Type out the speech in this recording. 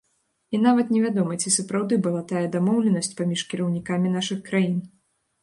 І нават не вядома, ці сапраўды была тая дамоўленасць паміж кіраўнікамі нашых краін.